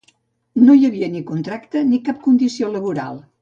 No hi havia ni contracte ni cap condició laboral